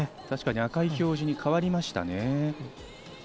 確かに赤い表示に変わりましたね。